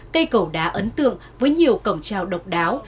cây cầu đá ấn tượng với nhiều cổng trào độc đáo